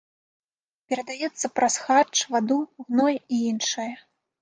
Перадаецца праз харч, ваду, гной і іншае.